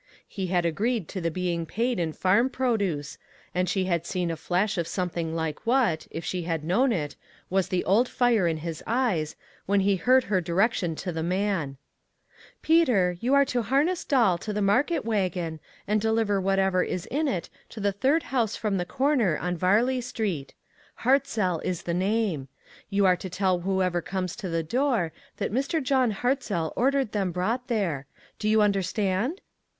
He had agreed to the being paid in farm produce, and she had seen a flash of something like what, if she had known it, was the old fire in his eyes, when he heard her direc tion to the man: "Peter, you are to harness Doll to the market wagon and deliver whatever is in it to the third house from the corner on Var ley Street ; Hartzell, is the name. You are to tell whoever comes to the door that Mr. John Hartzell ordered them brought there. Do you understand?"